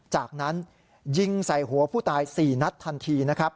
จากนั้นยิงใส่หัวผู้ตาย๔นัดทันทีนะครับ